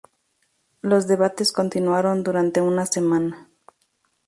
Los debates continuaron durante una semana.